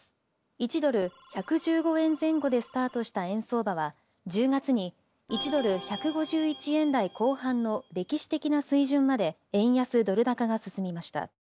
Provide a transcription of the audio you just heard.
１ドル１１５円前後でスタートした円相場は１０月に１ドル１５１円台後半のれきし的なすいじゅんまで円安ドル高が進みました。